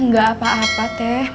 gak apa apa teh